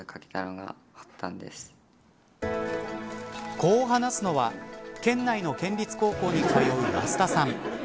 こう話すのは県内の県立高校に通う増田さん。